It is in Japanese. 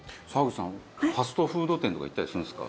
ファストフード店とか行ったりするんですか？